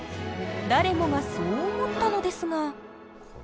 誰もがそう思ったのですが。